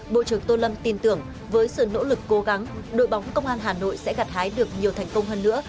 bộ trưởng tô lâm tin tưởng với sự nỗ lực cố gắng đội bóng công an hà nội sẽ gặt hái được nhiều thành công hơn nữa